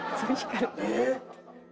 えっ？